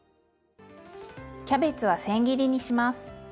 キャベツはせん切りにします。